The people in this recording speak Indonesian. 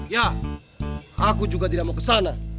ya aku juga tidak mau ke sana